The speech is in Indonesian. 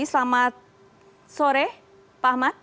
selamat sore pak ahmad